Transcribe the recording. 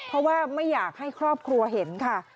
เพราะว่าไม่อยากให้ครอบครัวเห็นค่ะ